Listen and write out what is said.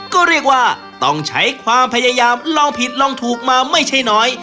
ก็เรียกว่าต้องใช้ความพยายามลองผิดลองถูกมาไม่ใช่น้อย